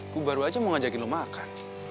ku baru aja mau ngajakin lo makan